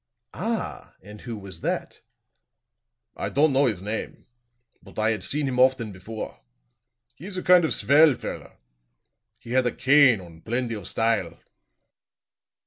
"Ah! And who was that?" "I don't know his name; but I had seen him often before. He is a kind of svell feller. He had a cane und plendy of style."